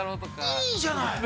◆いいじゃない。